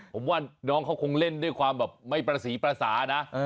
ผมว่าน้องเขาคงเล่นด้วยความแบบไม่ประสีประสานะ